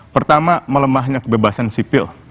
pertama melemahnya kebebasan sipil